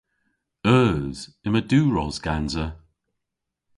Eus. Yma diwros gansa.